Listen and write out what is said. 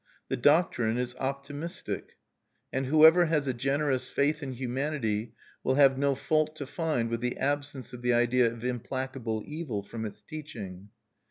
The doctrine is optimistic; and whoever has a generous faith in humanity will have no fault to find with the absence of the idea of implacable evil from its teaching.